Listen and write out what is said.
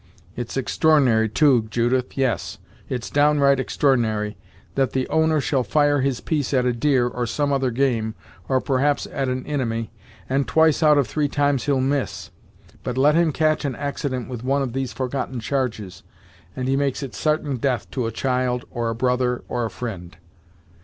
It's extr'ornary too, Judith yes, it's downright extr'ornary that the owner shall fire his piece at a deer, or some other game, or perhaps at an inimy, and twice out of three times he'll miss; but let him catch an accident with one of these forgotten charges, and he makes it sartain death to a child, or a brother, or a fri'nd!